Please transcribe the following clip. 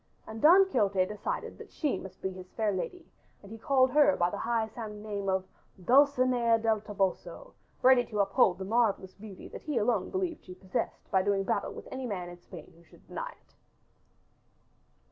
And Don Quixote decided that she must be his lady fair, and he called her by the high sounding name of Dulcinea del Toboso, ready to uphold the marvelous beauty that he alone believed that she possessed, by doing battle with any man in Spain who should deny it.